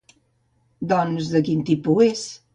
Doncs, de quin tipus és?